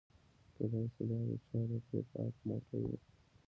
کیدای شي دا د چا د پیک اپ موټر وي